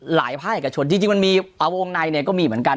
หลายภาคอักกระชนจริงมันมีอวงในเนี่ยก็มีเหมือนกัน